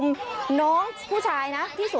มันไม่ได้มีความผิดอะไรครับ